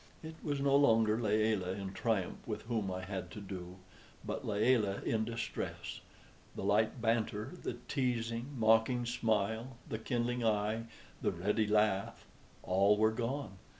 It was no longer Layelah in triumph with whom I had to do, but Layelah in distress: the light banter, the teasing, mocking smile, the kindling eye, the ready laugh all were gone.